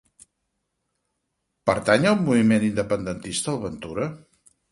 Pertany al moviment independentista el Ventura?